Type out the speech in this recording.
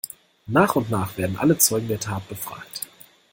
Nach und nach werden alle Zeugen der Tat befragt.